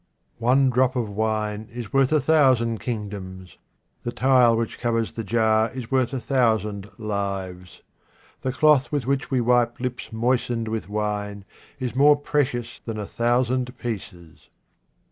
One drop of wine is worth a thousand kiriL, 67 QUATRAINS OF OMAR KHAYYAM doms. The tile which covers the jar is worth a thousand lives. The cloth with which we wipe lips moistened with wine is more precious than a thousand pieces.